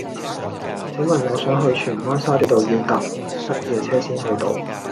請問我想去荃灣沙咀道要搭乜嘢車先去到